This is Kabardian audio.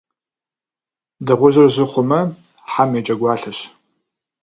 Дыгъужьыр жьы хъумэ, хьэм я джэгуалъэщ.